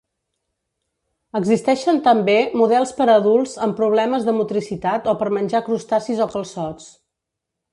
Existeixen també models per adults amb problemes de motricitat o per menjar crustacis o calçots.